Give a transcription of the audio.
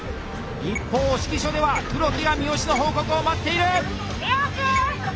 一方指揮所では黒木が三好の報告を待っている！